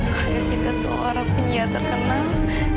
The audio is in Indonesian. kayak kita seorang penyiar terkenal